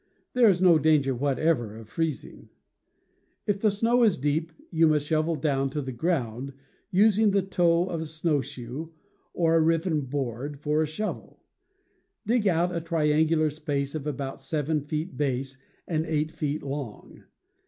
There is no danger whatever of freezing. If the snow is deep, you must shovel down to the ground, using the toe of a snowshoe, or a riven board, for a shovel. Dig out a triangular space of about seven feet base and eight feet long.